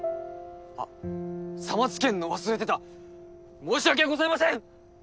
あっ「さま」つけんの忘れてた申し訳ございません！